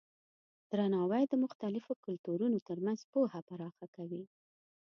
درناوی د مختلفو کلتورونو ترمنځ پوهه پراخه کوي.